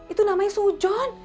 itu namanya sujon